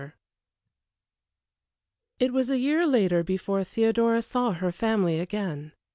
II It was a year later before Theodora saw her family again.